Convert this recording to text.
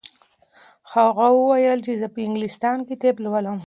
هغې وویل چې زه په انګلستان کې طب لولم.